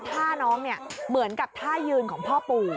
ท่าน้องเนี่ยเหมือนกับท่ายืนของพ่อปู่